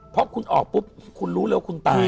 เพราะคุณออกปุ๊บคุณรู้เลยว่าคุณตาย